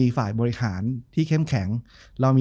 จบการโรงแรมจบการโรงแรม